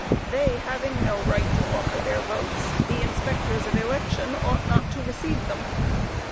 They having no right to offer their votes, the inspectors of election ought not to receive them.